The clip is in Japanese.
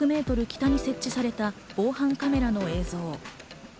北に設置された防犯カメラの映像。